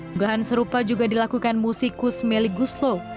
unggahan serupa juga dilakukan musikus melly guslo